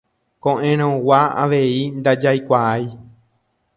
Ko'ẽrõgua avei ndajaikuáai.